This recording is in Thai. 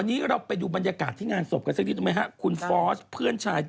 อันนี้กำลังแบบ